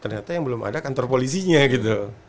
ternyata yang belum ada kantor polisinya gitu